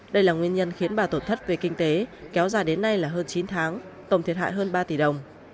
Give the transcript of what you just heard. đây là nguyên nhân khiến bà tổn thất về kinh tế kéo dài đến nay là hơn chín tháng tổng thiệt hại hơn ba tỷ đồng